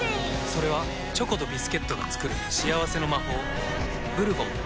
それはチョコとビスケットが作る幸せの魔法キャンペーン中